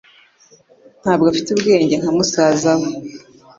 Ntabwo afite ubwenge nka musaza we